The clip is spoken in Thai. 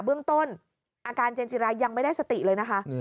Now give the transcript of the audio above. เบื้องต้นอาการเจนจิรายยังไม่ได้สติเลยนะคะ